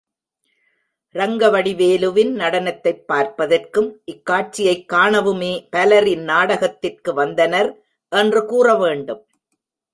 ரங்கவடிவேலுவின் நடனத்தைப் பார்ப்பதற்கும், இக்காட்சியைக் காணவுமே பலர் இந் நாடகத்திற்கு வந்தனர் என்று கூற வேண்டும்.